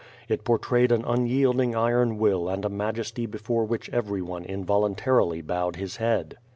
It portrayed an unyield ing iron will and a majesty before which everyone involun arily bowed his head.